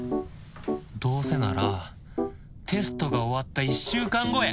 どうせならテストが終わった１週間後へ